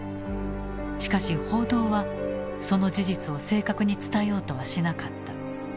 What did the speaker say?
しかし報道はその事実を正確に伝えようとはしなかった。